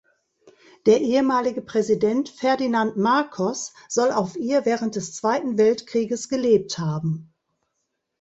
Der ehemalige Präsident Ferdinand Marcos soll auf ihr während des Zweiten Weltkrieges gelebt haben.